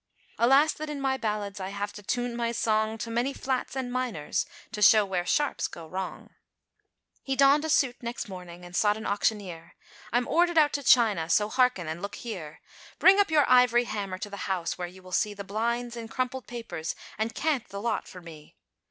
Alas! that in my ballads, I have to tune my song, To many flats, and minors, to show where sharps go wrong. He donned a suit, next morning, And sought an auctioneer "I'm ordered out to China, so harken, and look here; Bring up your ivory hammer to the house, where you will see, The blinds in crumpled papers, and cant the lot for me."